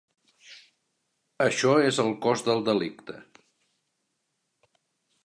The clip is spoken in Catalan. Això és el cos del delicte.